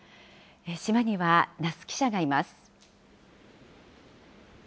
島には奈須記者がいます。